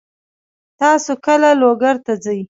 تاسو کله لوګر ته ځئ؟